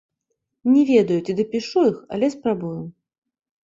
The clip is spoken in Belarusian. Не ведаю, ці дапішу іх, але спрабую.